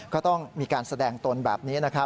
ก็ต้องมีการแสดงตนแบบนี้